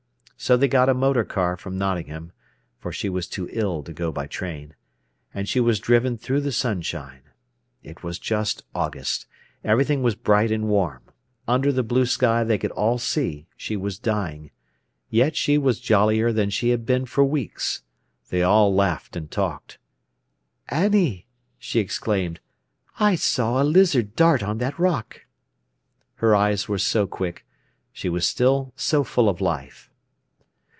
So they got a motor car from Nottingham—for she was too ill to go by train—and she was driven through the sunshine. It was just August; everything was bright and warm. Under the blue sky they could all see she was dying. Yet she was jollier than she had been for weeks. They all laughed and talked. "Annie," she exclaimed, "I saw a lizard dart on that rock!" Her eyes were so quick; she was still so full of life.